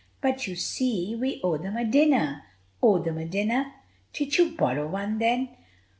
"But, you see, we owe them a dinner." "Owe them a dinner! Did you borrow one, then?"